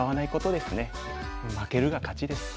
負けるが勝ちです。